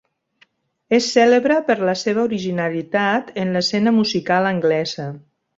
És cèlebre per la seva originalitat en l'escena musical anglesa.